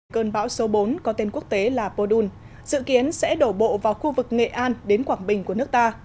cơn bão số bốn có tên quốc tế là podun dự kiến sẽ đổ bộ vào khu vực nghệ an đến quảng bình của nước ta